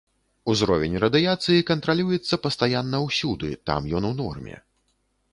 Узровень радыяцыі кантралюецца пастаянна ўсюды, там ён у норме.